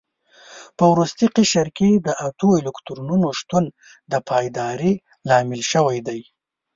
په وروستي قشر کې د اتو الکترونونو شتون د پایداري لامل شوی دی.